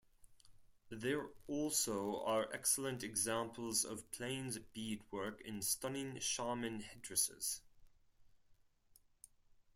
There also are excellent examples of Plains beadwork and stunning shaman headdresses.